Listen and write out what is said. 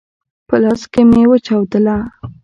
په لاس کي مي وچاودله !